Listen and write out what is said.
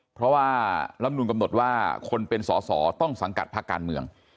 เพราะว่าลำนูนกำหนดว่าคนเป็นสอสอต้องสังกัดภาคการเมือง